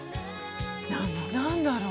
何だろう？